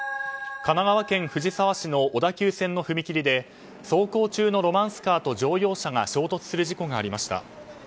神奈川県藤沢市の小田急線の踏切で走行中のロマンスカーと乗用車が衝突する事故がありました。